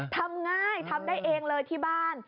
ทำง่ายทำได้เองเลยที่บ้าน